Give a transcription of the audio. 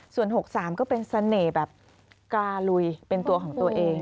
ส่วน๖๓ก็เป็นเสน่ห์แบบกราลุยเป็นตัวของตัวเอง